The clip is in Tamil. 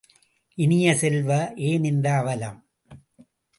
இனிய செல்வ, ஏன் இந்த அவலம்?